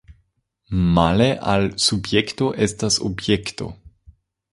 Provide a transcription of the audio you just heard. Male al subjekto estas objekto.